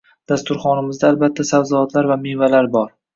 Dasturxonimizda albatta sabzavot va mevalar bor.